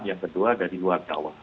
yang kedua dari luar jawa